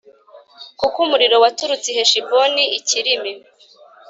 Kuko umuriro waturutse i Heshiboni Ikirimi